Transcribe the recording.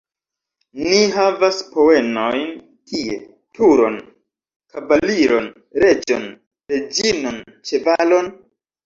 Ni havas peonojn tie, turon, kavaliron, reĝon, reĝinon ĉevalon?